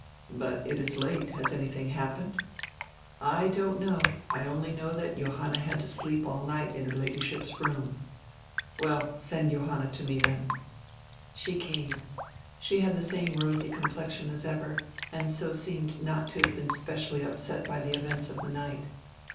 "But it is late. Has anything happened? " "I don't know. I only know that Johanna had to sleep all night in her Ladyship's room." "Well, send Johanna to me then." She came. She had the same rosy complexion as ever, and so seemed not to have been specially upset by the events of the night.